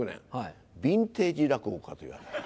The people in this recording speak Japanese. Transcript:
ビンテージ落語家といわれて。